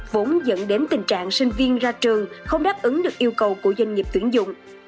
vốn dẫn đến tình trạng sinh viên ra trường không đáp ứng được yêu cầu của doanh nghiệp tuyển dụng